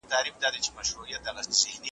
الحمدلله چي موږ له اهل السنة والجماعة څخه يو.